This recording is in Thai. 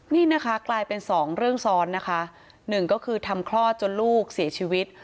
นี่นะคะกลายเป็นสองเรื่องซ้อนนะคะหนึ่งก็คือทำคลอดจนลูกเสียชีวิต